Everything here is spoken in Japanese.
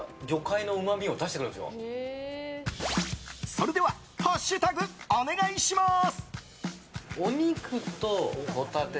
それではハッシュタグお願いします！